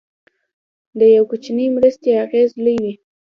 د یو کوچنۍ مرستې اغېز لوی وي.